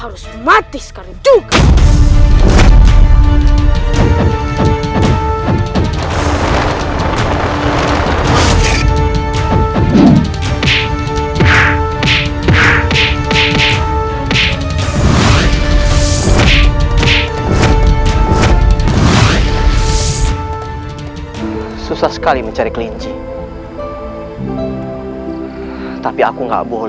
rai rara santan